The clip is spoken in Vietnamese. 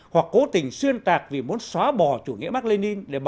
hoặc cố tình xuyên tạc vì muốn xóa bỏ chủ nghĩa mark lê ninh